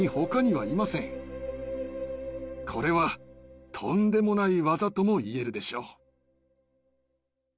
これはとんでもないワザとも言えるでしょう。